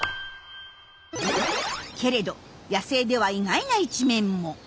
けれど野生では意外な一面も！